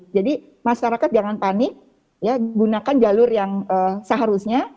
jadi masyarakat jangan panik gunakan jalur yang seharusnya